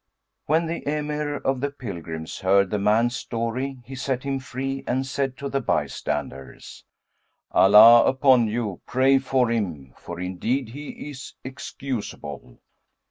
When the Emir of the pilgrims heard the man's story, he set him free and said to the bystanders, 'Allah upon you, pray for him, for indeed he is excusable.'"